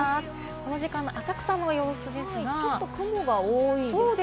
この時間の浅草の様子ですが、ちょっと雲が多いですね。